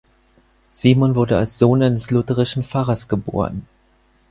Simon wurde als Sohn eines lutherischen Pfarrers geboren.